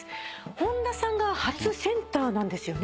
本田さんが初センターなんですよね。